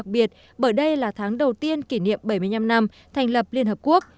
bởi đây là tháng đầu tiên kỷ niệm bảy mươi năm năm thành lập liên hợp quốc